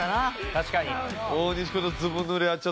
確かに。